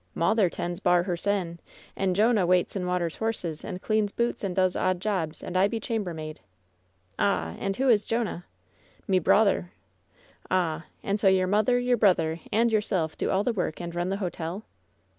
Mawther tends bar hersen, and Jonah waits and waters horses, and cleans boots, and does odd jobs, and I be chambermaid." "Ah! and who is Jonah?" "Me brawther." "Ah ! And so your mother, your brother, and your self do all the work and run the hotel